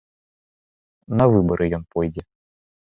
На выбары ён пойдзе.